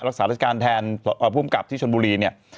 รักษาราชการแทนภูมิกับที่ชนบุรีเนี่ย